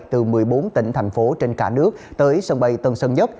từ một mươi bốn tỉnh thành phố trên cả nước tới sân bay tân sơn nhất